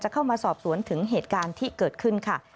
เข้ามาสอบสวนถึงเหตุการณ์ที่เกิดขึ้นค่ะ